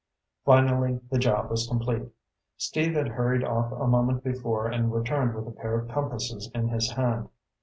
Finally the job was complete. Steve had hurried off a moment before and returned with a pair of compasses in his hand.